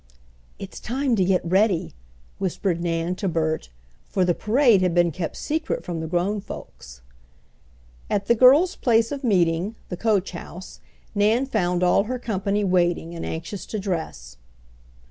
"It's time to get ready!" whispered Nan to Bert, for the parade had been kept secret from the grown folks. At the girls' place of meeting, the coach house, Nan found all her company waiting and anxious to dress.